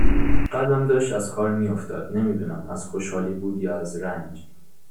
قلبم داشت از کار می افتاد نمی دونم از خوشحالی بود یا از رنج